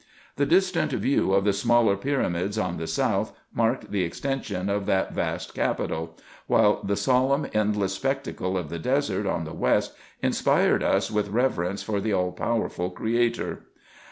The distant view of the smaller pyramids on the south marked the extension of that vast capital ; while the solemn, endless spectacle of the desert on the west inspired us with reverence for the all powerful Creator.